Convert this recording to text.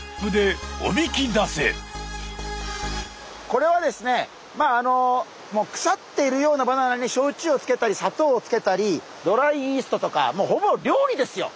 これはですねまああの腐っているようなバナナに焼酎をつけたり砂糖をつけたりドライイーストとかもうほぼ料理ですよ。